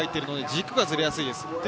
軸がずれやすい。